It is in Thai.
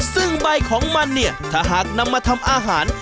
ซึ่งใบของมันเนี่ยถ้าหากนำมาทำอาหาร